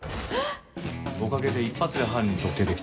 おかげで一発で犯人特定できた。